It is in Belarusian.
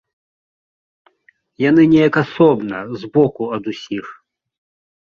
Яны неяк асобна, збоку ад усіх.